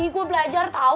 gue belajar tau